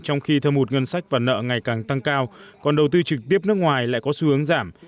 trong khi thâm hụt ngân sách và nợ ngày càng tăng cao còn đầu tư trực tiếp nước ngoài lại có xu hướng giảm